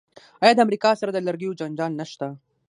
آیا د امریکا سره د لرګیو جنجال نشته؟